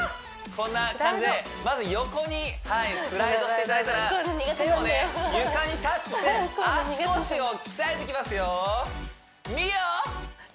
こんな感じでまず横にスライドしていただいたら手を床にタッチして足腰を鍛えていきますよ美桜！